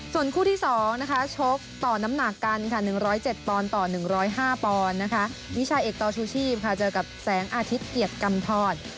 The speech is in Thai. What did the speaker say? ส่วนคู่ที่สองชกต่อน้ำหนักกัน๑๐๗ปอนด์ต่อ๑๐๕ปอนด์วิชัยเอกต่อชู้ชีพเจอกับแสงอาทิตย์เกลียดกำทอด